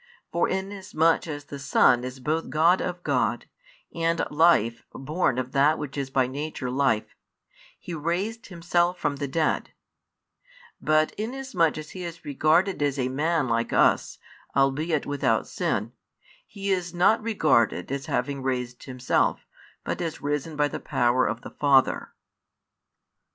For inasmuch as the Son is both God of God, and Life born of That which is by nature Life, He raised Himself from the dead; but inasmuch as He is regarded as a Man like us, albeit without sin, He is not regarded as having raised Himself, but as risen by the power of the Father.